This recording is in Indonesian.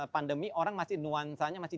pandemi orang masih nuansanya masih